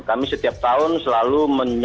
kami setiap tahun selalu